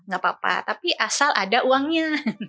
gak apa apa tapi asal ada uangnya